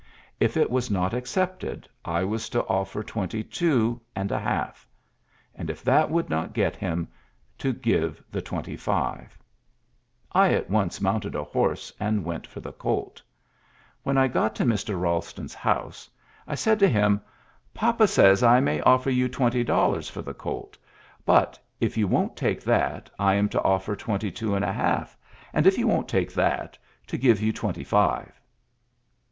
If it was not accepted, I was to offer twenty two and a hal^ and, if that would not get him, to give the twenty five. I at once mounted a horse, and went for the colt. "When I got to Mr. Balston's house, I said to him. Papa says I may offer you twenty dollars for the colt, but, if you wonH take that, I am to offer twenty two and a half ; and, if you won't take that^ to give you twenty five.''